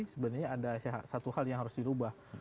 sebenarnya ada satu hal yang harus dirubah